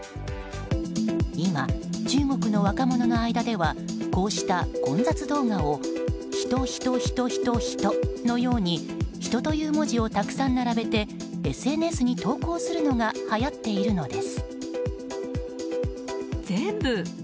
今、中国の若者の間ではこうした混雑動画を「人人人人人」のように人の文字をたくさん並べてＳＮＳに投稿するのがはやっているのです。